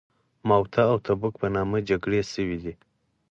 موته او تبوک په نامه جګړې شوي.